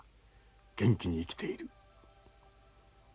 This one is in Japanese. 元気に生きている。